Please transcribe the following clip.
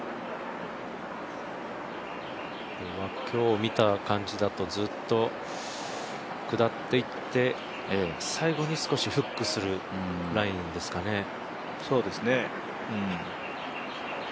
今日見た感じだと、ずっと下っていって最後に少しフックするラインですかね。